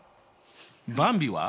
ばんびは？